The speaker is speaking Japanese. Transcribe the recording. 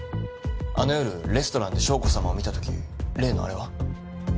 あの夜レストランで将子さまを見たとき例のあれは。